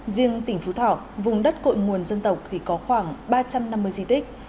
riêng tỉnh phú thọ vùng đất cội nguồn dân tộc thì có khoảng ba trăm năm mươi di tích